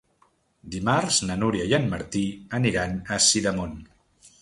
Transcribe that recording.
Dimarts na Núria i en Martí aniran a Sidamon.